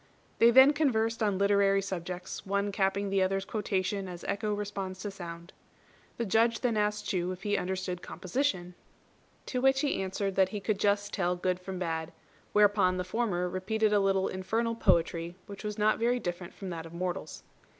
They then conversed on literary subjects, one capping the other's quotation as echo responds to sound. The Judge then asked Chu if he understood composition; to which he answered that he could just tell good from bad; whereupon the former repeated a little infernal poetry which was not very different from that of mortals.